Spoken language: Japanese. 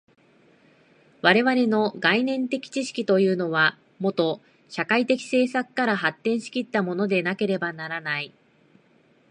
我々の概念的知識というのは、もと社会的制作から発展し来ったものでなければならない。